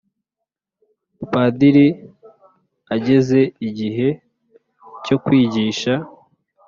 padiri ageze igihe cyo kwigisha